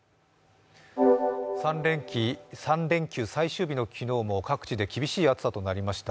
３連休最終日の昨日も各地で厳しい暑さとなりました。